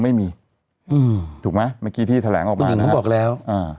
ไม่มีถูกไหมเมื่อกี้ที่แถลงออกมานะครับตัวหนึ่งผมบอกแล้ว